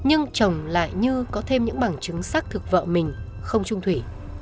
nhưng chồng lại như có thêm những bằng chứng xác thực vợ mình không trung thủy